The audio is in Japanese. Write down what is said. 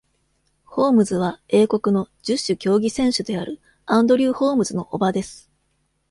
ホームズは、英国の十種競技選手であるアンドリュー・ホームズの叔母です。